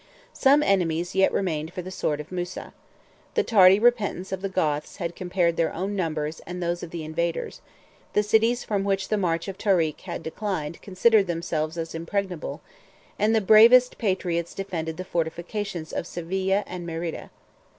Some enemies yet remained for the sword of Musa. The tardy repentance of the Goths had compared their own numbers and those of the invaders; the cities from which the march of Tarik had declined considered themselves as impregnable; and the bravest patriots defended the fortifications of Seville and Merida.